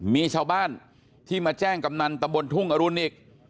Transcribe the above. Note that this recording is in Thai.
มีชาวบ้านที่มาแจ้งกำนันตะบนทุ่งอรุณอีก